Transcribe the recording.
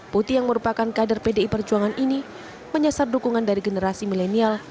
putih yang merupakan kader pdi perjuangan ini menyasar dukungan dari generasi milenial